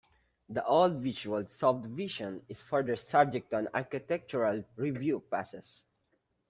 The Old Beechwold subdivision is further subject to an architectural review process.